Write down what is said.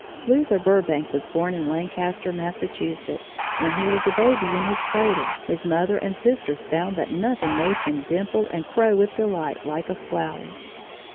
Luther Burbank was born in Lancaster, Massachusetts. When he was a baby in his cradle, his mother and sisters found that nothing made him dimple and crow with delight like a flower.